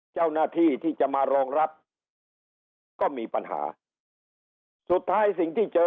เจ้าหน้าที่ที่จะมารองรับมันก็มีปัญหาสุดท้ายสิ่งที่เจอ